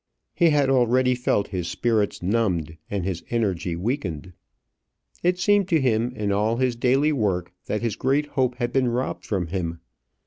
He had already felt his spirits numbed and his energy weakened. It seemed to him in all his daily work that his great hope had been robbed from him.